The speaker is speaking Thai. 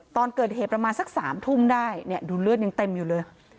ตอนเกิดเหตุประมาณสัก๓ทุ่มได้เนี่ยดูเลือดยังเต็มอยู่เลย